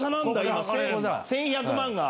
今１１００万が。